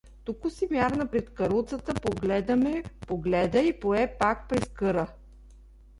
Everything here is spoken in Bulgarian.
Току се мярна пред каруцата, погледа ме, погледа и пое пак през къра.